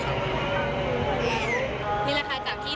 ตอนนี้เป็นครั้งหนึ่งครั้งหนึ่ง